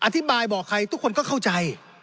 อธิบายบอกใครทุกคนก็เข้าใจ